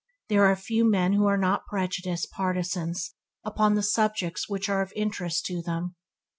There are few men who are not prejudiced partisans upon the subjects which are of interest to them.